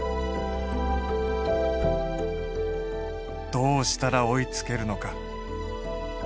どうしたら追いつけるのか？